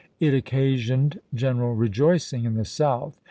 It occasioned general rejoicing in the South.